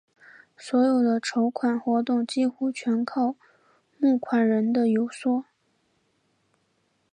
所有的筹款活动几乎全靠募款人的游说。